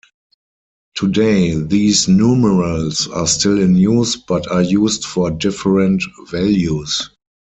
Today these numerals are still in use, but are used for different values.